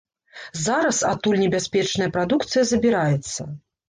Зараз адтуль небяспечная прадукцыя забіраецца.